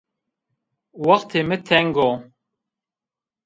Wextê mi teng o